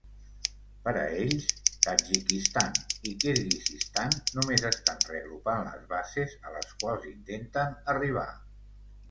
Per a ells, Tadjikistan i Kirguizistan només estan reagrupant les bases a les quals intenten arribar.